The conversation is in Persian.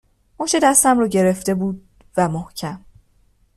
مچ دستم رو گرفته بود و محکم